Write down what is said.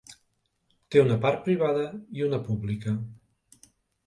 Té una part privada i una pública.